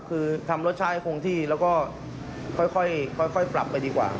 คือทำรสชาติให้คงที่แล้วก็ค่อยปรับไปดีกว่า